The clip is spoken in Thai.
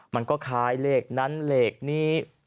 มันก็คล้ายเลขนั้นเลขนี้